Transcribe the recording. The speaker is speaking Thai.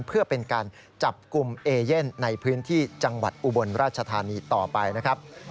เพื่อเป็นการจับกลุ่มเอเย่นในพื้นที่จังหวัดอุบลราชธานีต่อไปนะครับ